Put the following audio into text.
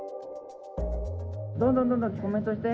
どんどんどんどんコメントして！